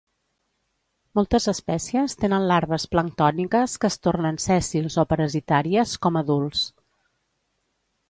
Moltes espècies tenen larves planctòniques que es tornen sèssils o parasitàries com adults.